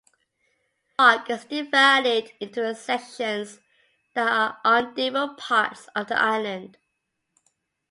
The park is divided into sections that are on different parts of the island.